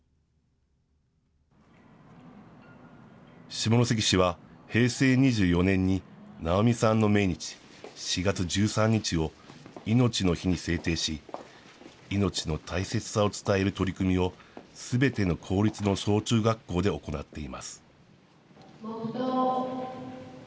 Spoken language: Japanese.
下関市は平成２４年に直美さんの命日、４月１３日をいのちの日に制定し、命の大切さを伝える取り組みをすべての公立の小中学校で行ってい黙とう。